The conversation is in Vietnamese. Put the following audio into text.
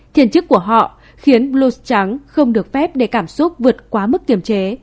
thiền chức của họ khiến blues trắng không được phép để cảm xúc vượt quá mức kiềm chế